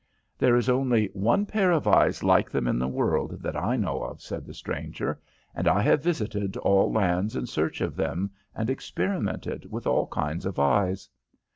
"'There is only one pair of eyes like them in the world, that I know of,' said the stranger, 'and I have visited all lands in search of them and experimented with all kinds of eyes.'